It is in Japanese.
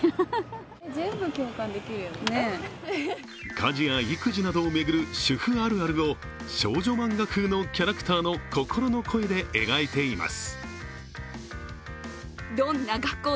家事や育児などを巡る主婦あるあるを少女漫画風のキャラクターの心の声で描いています。